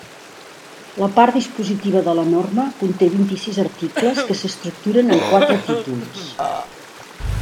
La part dispositiva de la norma conté vint-i-sis articles que s'estructuren en quatre títols.